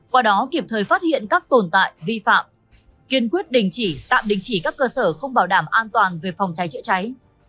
qua đó kịp thời phát hiện các tồn tại vi phạm kiên quyết đình chỉ tạm đình chỉ các cơ sở không bảo đảm an toàn về phòng cháy chữa cháy